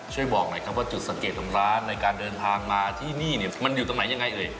ช่วยบอกหน่อยครับว่าจุดสังเกตของร้านในการเดินทางมาที่นี่เนี่ยมันอยู่ตรงไหนยังไงเอ่ย